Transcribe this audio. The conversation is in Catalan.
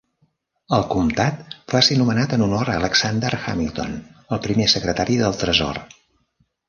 El comtat va ser nomenat en honor a Alexander Hamilton, el primer secretari del Tresor.